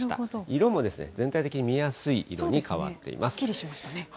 色も全体的に見やすい色に変はっきりしましたね。